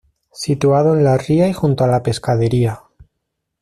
Situado en la ría y junto a Pescadería.